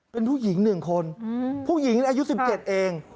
เป็นผู้หญิงหนึ่งคนรวมนั้นอายุ๑๗เอง